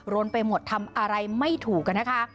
นไปหมดทำอะไรไม่ถูกกันนะคะ